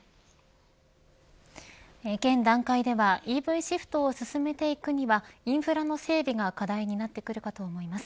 現段階ではＥＶシフトを進めていくにはインフラの整備が課題になってくるかと思います。